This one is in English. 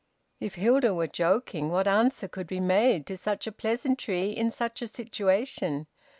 If Hilda were joking, what answer could be made to such a pleasantry in such a situation?